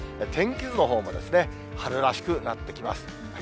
天気図のほうも、春らしくなってきます。